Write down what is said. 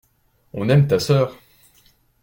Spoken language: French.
On aime ta sœur.